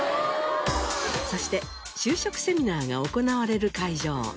そして就職セミナーが行われる会場。